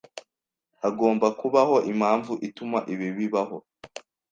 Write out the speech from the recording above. Hagomba kubaho impamvu ituma ibi bibaho.